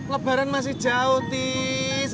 lebaran masih jauh tis